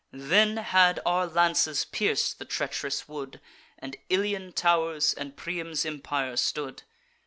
Then had our lances pierc'd the treach'rous wood, And Ilian tow'rs and Priam's empire stood.